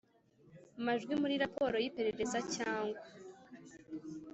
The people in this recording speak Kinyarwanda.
majwi muri raporo y iperereza cyangwa